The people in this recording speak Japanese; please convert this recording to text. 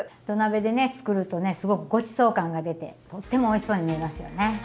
土鍋でね作るとねすごくごちそう感が出てとってもおいしそうに見えますよね！